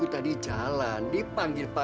oh disini rupanya